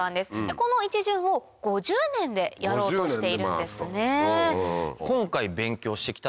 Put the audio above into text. この一巡を５０年でやろうとしているんですね。